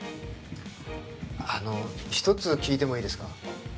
あの一つ聞いてもいいですか？